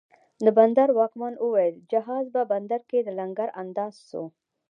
د بندر واکمن اوویل، جهاز په بندر کې لنګر انداز سو